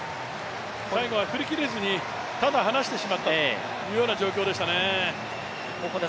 最後は振り切れずに、ただ離してしまったというような状況でしたね。